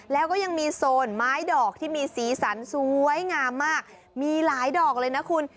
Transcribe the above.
แล้วก็ยังมีโซนไม้ดอกที่มีสีสันสวยงามมากมีหลายดอกเลยนะคุณ